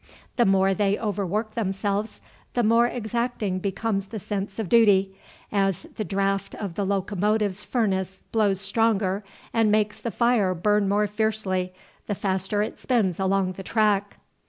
The more they overwork themselves, the more exacting becomes the sense of duty, as the draught of the locomotive's furnace blows stronger and makes the fire burn more fiercely, the faster it spins along the track.